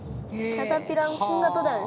キャタピラーの新型だよね？